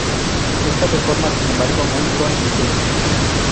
Esta reforma, sin embargo, no entró en vigencia.